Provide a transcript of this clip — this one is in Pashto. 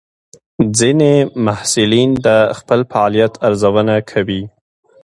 ځینې محصلین د خپل فعالیت ارزونه کوي.